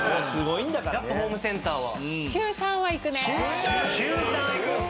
やっぱホームセンターは？